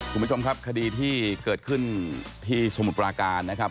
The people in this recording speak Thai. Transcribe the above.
คุณผู้ชมครับคดีที่เกิดขึ้นที่สมุทรปราการนะครับ